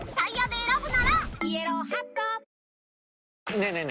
ねえねえ